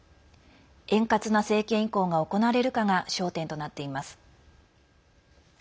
円滑な政権移行が行われるかが焦点となっています。